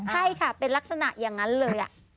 ใช่ค่ะเป็นลักษณะอย่างนั้นเลย